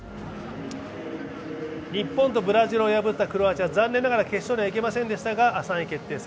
日本とブラジルを破ったクロアチア、残念ながら決勝には行けませんでしたが３位決定戦。